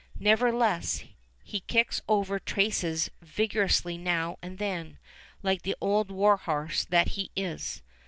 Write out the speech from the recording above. Nevertheless, he kicks over traces vigorously now and then, like the old war horse that he is.